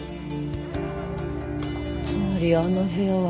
つまりあの部屋は密室。